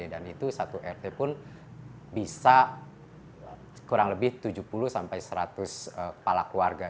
dan itu satu rt pun bisa kurang lebih tujuh puluh sampai seratus kepala keluarga